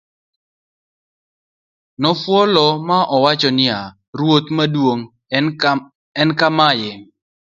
nofuolo ma owacho niya, ruoth maduong' en kamaye